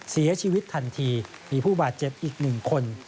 เสียชีวิตทันทีมีผู้บาดเจ็บอีก๑คน